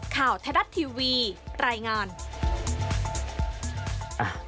ข่าวไทยรัฐทีวีรายงาน